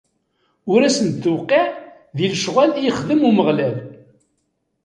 Ur asen-d-tewqiɛ si lecɣwal i yexdem Umeɣlal.